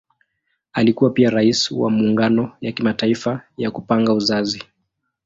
Alikuwa pia Rais wa Muungano ya Kimataifa ya Kupanga Uzazi.